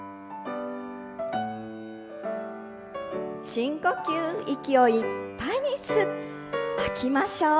深呼吸、息をいっぱいに吸って吐きましょう。